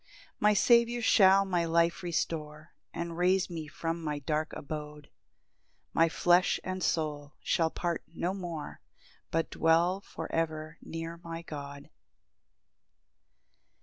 6 My Saviour shall my life restore, And raise me from my dark abode; My flesh and soul shall part no more, But dwell for ever near my God.